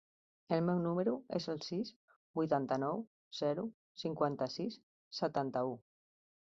El meu número es el sis, vuitanta-nou, zero, cinquanta-sis, setanta-u.